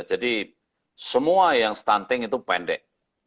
jadi semua yang stunting itu pendek